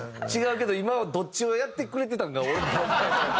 違うけど今はどっちをやってくれてたんか。